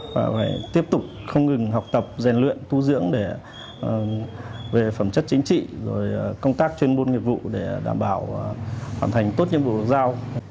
và phải tiếp tục không ngừng học tập rèn luyện tu dưỡng để về phẩm chất chính trị rồi công tác chuyên môn nghiệp vụ để đảm bảo hoàn thành tốt nhiệm vụ được giao